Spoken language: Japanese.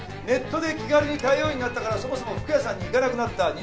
「ネットで気軽に買えるようになったからそもそも服屋さんに行かなくなった。